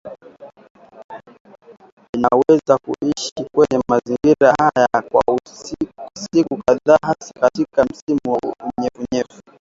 vinaweza kuishi kwenye mazingira haya kwa siku kadhaa hasa katika msimu wa unyevunyevu